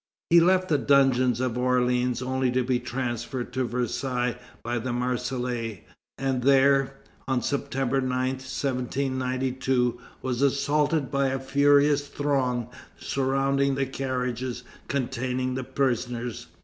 He left the dungeons of Orleans only to be transferred to Versailles by the Marseillais, and there, on September 9, 1792, was assaulted by a furious throng surrounding the carriages containing the prisoners.